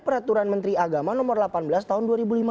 peraturan menteri agama nomor delapan belas tahun